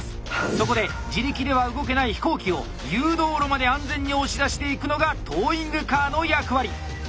そこで自力では動けない飛行機を誘導路まで安全に押し出していくのがトーイングカーの役割。